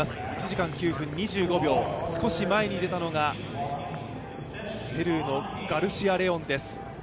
１時間９分２５秒、少し前に出たのがペルーのガルシア・レオンです。